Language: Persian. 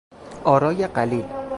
آرای قلیل